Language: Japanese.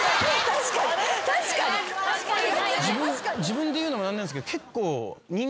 自分で言うのも何なんですけど結構。